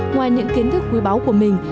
ngoài những kiến thức quý báu của mình